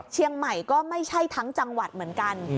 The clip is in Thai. เชียงใหม่ก็ไม่ใช่ทั้งจังหวัดเหมือนกัน